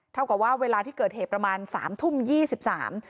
เท่ากับว่าเวลาที่เกิดเหตุประมาณสามทุ่มยี่สิบสาม